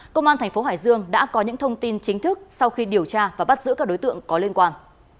công an tp hcm đã có những thông tin chính thức sau khi điều tra và bắt giữ các đối tượng có liên quan